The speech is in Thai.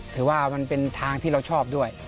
ถือว่ามันเป็นทางที่เราชอบด้วย